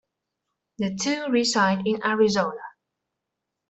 The two reside in Arizona.